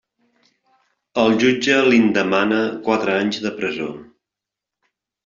El jutge li'n demana quatre anys de presó.